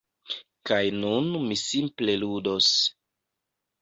Kaj nun mi simple ludos.